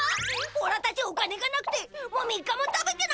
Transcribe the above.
おらたちお金がなくてもう３日も食べてなかっただ！